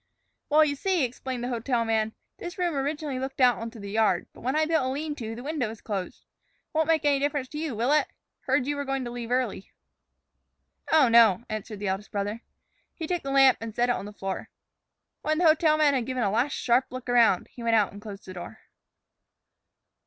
"Well, you see," explained the hotel man, "this room originally looked out on the yard. But when I built on a lean to, the window was closed. Won't make any difference to you, will it? Heard you were going to leave early." "Oh, no," said the eldest brother. He took the lamp and set it on the floor. When the hotel man had given a last sharp look around, he went out and closed the door.